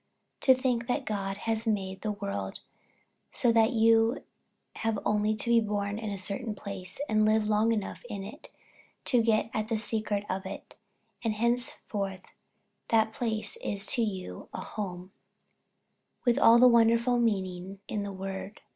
To think that God has made the world so that you have only to be born in a certain place, and live long enough in it to get at the secret of it, and henceforth that place is to you a home with all the wonderful meaning in the word.